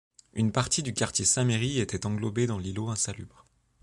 Une partie du quartier Saint-Merri était englobé dans l'îlot insalubre.